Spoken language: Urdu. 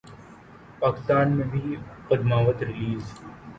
پاکستان میں بھی پدماوت ریلیز